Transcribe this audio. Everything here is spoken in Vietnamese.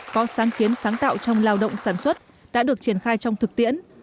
có sáng kiến sáng tạo trong lao động sản xuất đã được triển khai trong thực tiễn